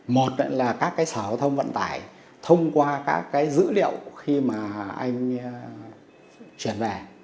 một là các cái sở hữu thông vận tải thông qua các cái dữ liệu khi mà anh chuyển về